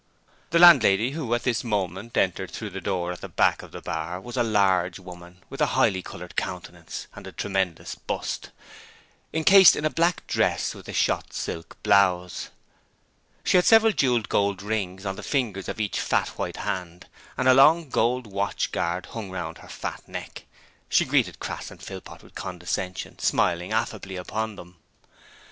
The landlady who at this moment entered through the door at the back of the bar was a large woman with a highly coloured countenance and a tremendous bust, incased in a black dress with a shot silk blouse. She had several jewelled gold rings on the fingers of each fat white hand, and a long gold watch guard hung round her fat neck. She greeted Crass and Philpot with condescension, smiling affably upon them.